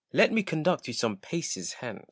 Let me conduct you some paces hence.